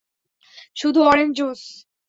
শুধু orange juice?